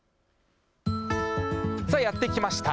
やってきました。